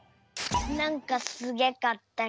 なんかすげかった。